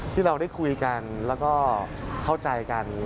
ที่เราได้คุยกันแล้วก็เข้าใจกัน